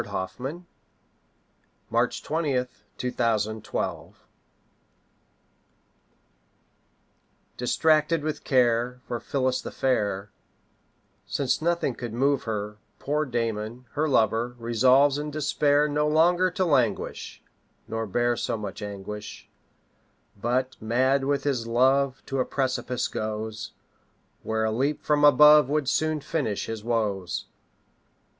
William Walsh The Despairing Lover DISTRACTED with care, For Phillis the fair, Since nothing could move her, Poor Damon, her lover, Resolves in despair No longer to languish, Nor bear so much anguish; But, mad with his love, To a precipice goes; Where a leap from above Would soon finish his woes.